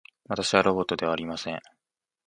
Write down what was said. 私はロボットではありません。